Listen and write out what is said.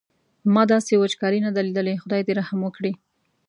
ما داسې وچکالي نه ده لیدلې خدای دې رحم وکړي.